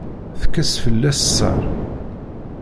Tekkes fell-as sser.